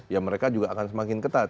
ya mereka juga akan semakin ketat